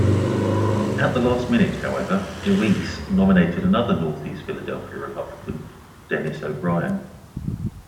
At the last minute, however, DeWeese nominated another Northeast Philadelphia Republican, Dennis O'Brien.